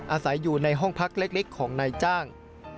อาศัยอยู่ในห้องพักเล็กของนายจ้าง